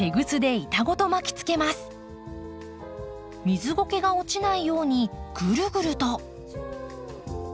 水ごけが落ちないようにぐるぐると。